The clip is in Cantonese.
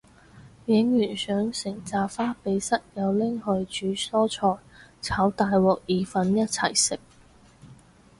影完相成紮花俾室友拎去煮蔬菜炒大鑊意粉一齊食